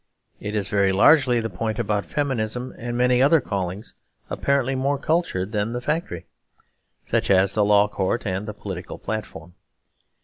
It is very largely the point about feminism and many other callings, apparently more cultured than the factory, such as the law court and the political platform.